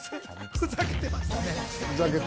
ふざけてましたね。